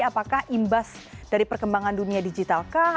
apakah imbas dari perkembangan dunia digital kah